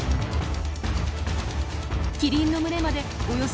キリンの群れまでおよそ２０メートル。